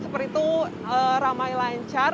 seperti itu ramai lancar